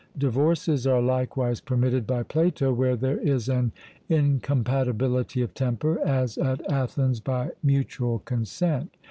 Divorces are likewise permitted by Plato where there is an incompatibility of temper, as at Athens by mutual consent.